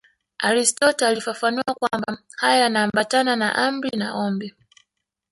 Aristotle alifafanua kwamba haya yanaambatana na amri na ombi.